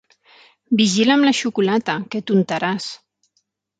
Vigila amb la xocolata, que t'untaràs!